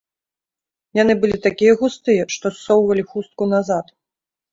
Яны былі такія густыя, што ссоўвалі хустку назад.